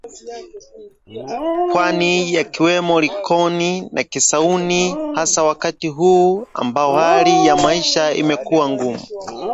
pwani yakiwemo likoni na kisauni hasa wakati huu ambao hali ya maisha imekuwa ngumu